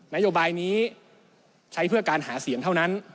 นโยบายนี้ใช้เพื่อการหาเสียงเท่านั้น